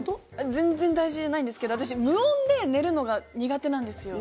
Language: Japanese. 全然大事じゃないんですけど私、無音で寝るのが苦手なんですよ。